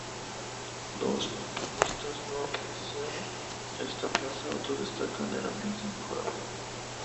Los puristas no aprecian esta plaza; otros destacan el ambiente inmejorable.